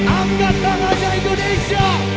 angkat tangannya indonesia